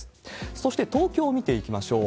そして、東京を見ていきましょう。